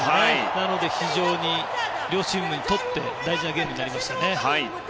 なので非常に両チームにとって大事なゲームです。